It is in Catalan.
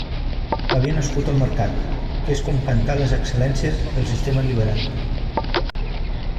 Havia nascut el mercat, que és com cantar les excel·lències del sistema liberal.